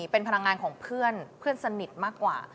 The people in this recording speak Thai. เป็นพนักงานของเพื่อนสนิทมากกว่า